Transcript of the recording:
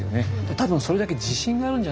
多分それだけ自信があるんじゃないですか。